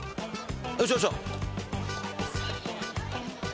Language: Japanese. よいしょよいしょ。